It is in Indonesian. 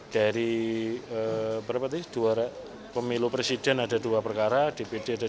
dari berapa tadi pemilu presiden ada dua perkara dpd ada dua belas